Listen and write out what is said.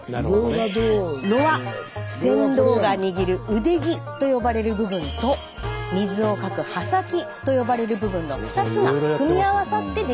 櫓は船頭が握る腕木と呼ばれる部分と水をかく羽先と呼ばれる部分の２つが組み合わさって出来ています。